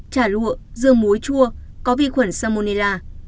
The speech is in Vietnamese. chả lụa dưa muối chua có vi khuẩn salmonella